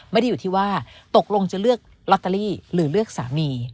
ไม่ได้อยู่ที่ว่าตกลงจะเลือกลอตเตอรี่หรือเลือกสามี